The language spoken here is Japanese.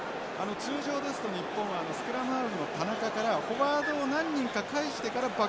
通常ですと日本はスクラムハーフの田中からフォワードを何人か介してからバックスに展開する。